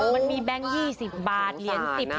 มันมีแบงก์๒๐บาท